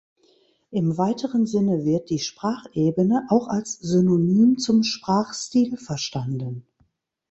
Im weiteren Sinne wird die Sprachebene auch als Synonym zum Sprachstil verstanden.